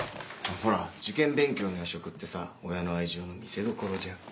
ほら受験勉強の夜食ってさ親の愛情の見せどころじゃん。